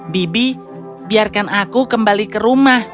bibi biarkan aku kembali ke rumah